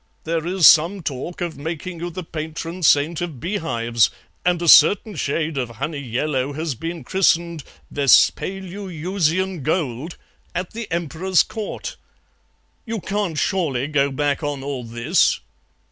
There is some talk of making you the patron saint of beehives, and a certain shade of honey yellow has been christened Vespaluusian gold at the Emperor's Court. You can't surely go back on all this.'